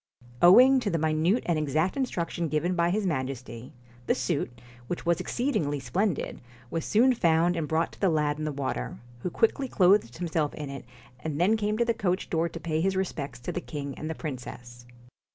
Owing to the minute and exact instructions given by his Majesty, the suit, which was exceed ingly splendid, was soon found and brought to the lad in the water, who quickly clothed himself in it and then came to the coach door to pay his respects to the king and the princess.